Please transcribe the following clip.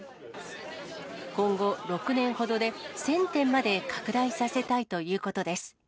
今後、６年ほどで１０００店まで拡大させたいということです。